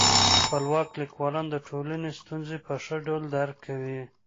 خپلواک لیکوالان د ټولني ستونزي په ښه ډول درک کوي.